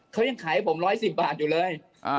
เขายังขายให้ผม๑๑๐บาทอยู่เลย